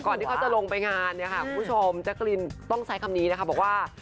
ก่อนที่เขาจะลงไปงานคุณผู้ชมจะกลิ่นต้องใช้คำนี้บอกว่า